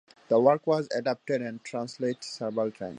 The work was adapted and translated several times.